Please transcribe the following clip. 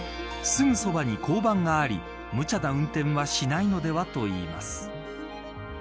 すぐそばに交番がありむちゃな運転はしないのではと言います。